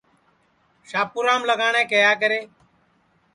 شاپُورام لگاٹؔے کیہا کرے